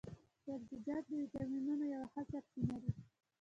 سبزیجات د ویټامینو یوه ښه سرچينه ده